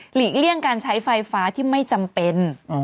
เลี่ยงการใช้ไฟฟ้าที่ไม่จำเป็น